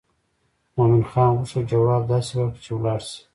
مومن خان غوښتل ځواب داسې ورکړي چې ولاړ شي.